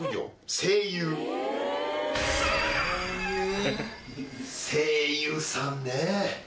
声優さんね。